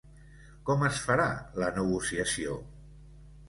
Com es farà la negociació?